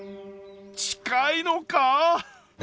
近いのか？